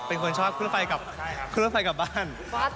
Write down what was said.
เป็นคนชอบเครื่องรถไฟกลับบ้าน